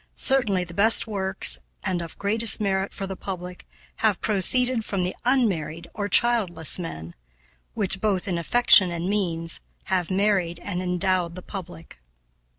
Certainly the best works, and of greatest merit for the public, have proceeded from the unmarried or childless men; which, both in affection and means, have married and endowed the public."